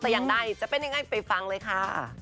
แต่ยังได้จะเป็นอย่างง่ายไปฟังเลยค่ะ